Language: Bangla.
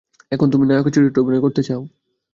এখন, তুমি নায়কের চরিত্রে অভিনয় করতে চাও?